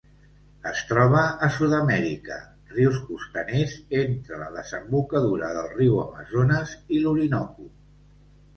Es troba a Sud-amèrica: rius costaners entre la desembocadura del riu Amazones i l'Orinoco.